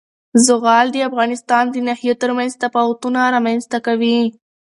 زغال د افغانستان د ناحیو ترمنځ تفاوتونه رامنځ ته کوي.